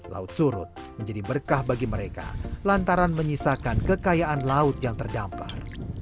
laut surut menjadi berkah bagi mereka lantaran menyisakan kekayaan laut yang terdampar